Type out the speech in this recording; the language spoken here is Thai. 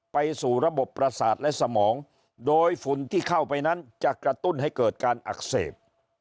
ไปสู่ระบบประสาทและสมองโดยฝุ่นที่เข้าไปนั้นจะกระตุ้นให้เกิดการอักเสบ